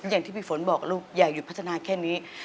อย่างที่พี่ฝนบอกลูกอย่าหยุดพัฒนาแค่นี้